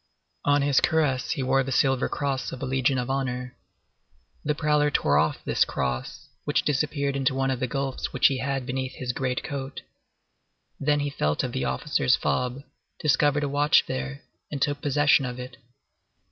On his cuirass he wore the silver cross of the Legion of Honor. The prowler tore off this cross, which disappeared into one of the gulfs which he had beneath his great coat. Then he felt of the officer's fob, discovered a watch there, and took possession of it.